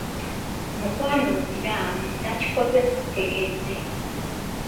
"Mukwano nziriraamu, nakikoze sitegedde."